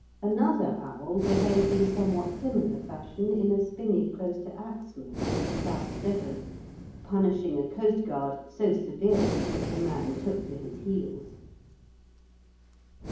Another owl behaved in somewhat similar fashion in a spinney close to Axmouth, South Devon, punishing a coastguard so severely that the man took to his heels.